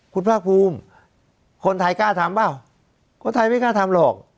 คุณภาคภูมิคนไทยกล้าทำเปล่าคนไทยไม่กล้าทำหรอก